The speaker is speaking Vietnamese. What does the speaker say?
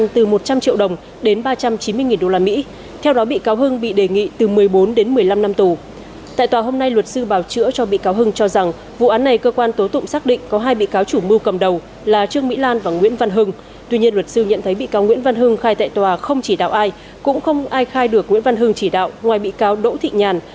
tuy nhiên luật sư nhận thấy bị cáo nguyễn văn hưng khai tại tòa không chỉ đạo ai cũng không ai khai được nguyễn văn hưng chỉ đạo ngoài bị cáo đỗ thị nhàn